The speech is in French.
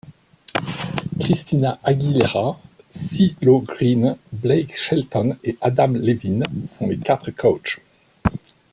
Christina Aguilera, Cee Lo Green, Blake Shelton et Adam Levine sont les quatre coaches.